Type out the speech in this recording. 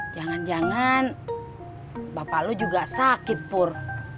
jangan jangan bapak lo juga sakit fur